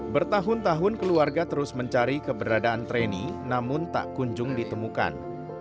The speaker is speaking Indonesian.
bertahun tahun keluarga terus mencari keberadaan treni namun tak kunjung ditemukan